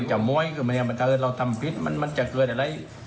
เหมือนเราทำพิษตรงนี้